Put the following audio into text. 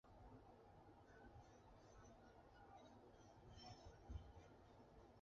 印威内斯一般被看作是高地的首府。